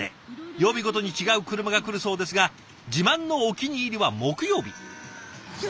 曜日ごとに違う車が来るそうですが自慢のお気に入りは木曜日。